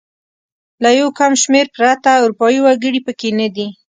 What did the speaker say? له یو کم شمېر پرته اروپايي وګړي پکې نه دي.